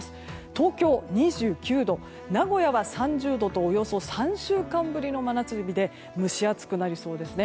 東京は２９度、名古屋は３０度とおよそ３週間ぶりの真夏日で蒸し暑くなりそうですね。